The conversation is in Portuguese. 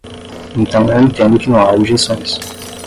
Então eu entendo que não há objeções.